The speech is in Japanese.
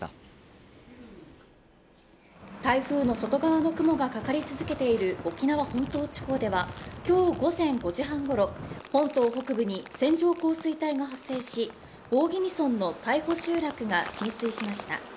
台風の外側の雲がかかり続けている沖縄本島地方では、今日午前５時半ごろ、本当北部に線状降水帯が発生し、大宜味村の大保集落が浸水しました。